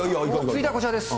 続いてはこちらです。